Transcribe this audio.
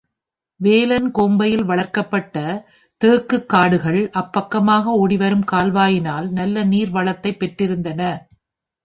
வேலன் கோம்பையில் வளர்க்கப்பட்ட தேக்குக் காடுகள், அப்பக்கமாக ஓடிவரும் கால்வாயினால் நல்ல நீர் வளத்தைப் பெற்றிருந்தன.